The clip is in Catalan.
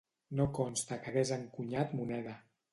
No consta que hagués encunyat moneda.